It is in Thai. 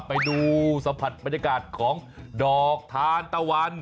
ไปดูสัมผัสบรรยากาศของดอกทานตะวัน